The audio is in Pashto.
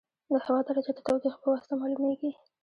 د هوا درجه د تودوخې په واسطه معلومېږي.